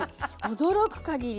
驚くかぎり。